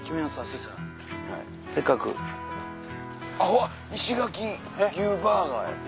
うわ石垣牛バーガーやって。